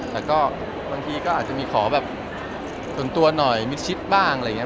แต่ก็บางทีก็อาจจะมีขอแบบส่วนตัวหน่อยมิดชิดบ้างอะไรอย่างนี้